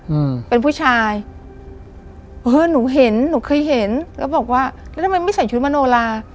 อืมเป็นผู้ชายเออหนูเห็นหนูเคยเห็นแล้วบอกว่าแล้วทำไมไม่ใส่ชุดมโนลา